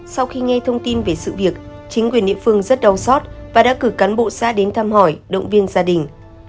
sau khi nghe thông tin về sự việc chính quyền địa phương rất đau xót và đã cử cán bộ xã đến thăm hỏi động viên gia đình